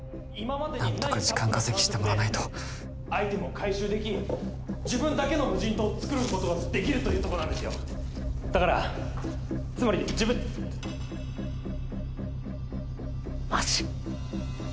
何とか時間稼ぎしてもらわないと今までにないタップの感触でアイテムを回収でき自分だけの無人島をつくることができるというとこなんですよだからつまり自分マジ？